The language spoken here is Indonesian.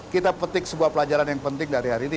kita petik sebuah pelajaran yang penting dari hari ini